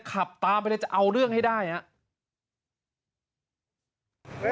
ขับตามไปเลยจะเอาเรื่องให้ได้ครับ